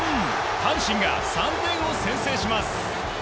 阪神が３点を先制します。